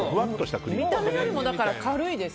見た目よりも軽いです。